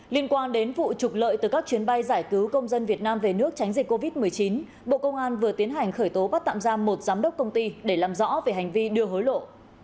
liên quan đến vụ trục lợi từ các chuyến bay giải cứu công dân việt nam về nước tránh dịch covid một mươi chín bộ công an vừa tiến hành khởi tố bắt tạm giam một giám đốc công ty để làm rõ về hành vi đưa hối lộ